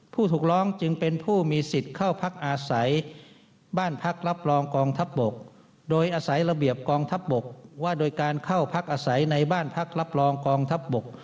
ผู้ถูกร้องจึงเป็นผู้มีสิทธิ์เข้าพักอาศัยบ้านพักรับรองกองทัพบกโดยอาศัยระเบียบกองทัพบกว่าโดยการเข้าพักอาศัยในบ้านพักรับรองกองทัพบก